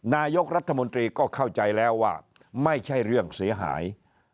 นายกรัฐมนตรีก็เข้าใจแล้วว่าไม่ใช่เรื่องเสียหาย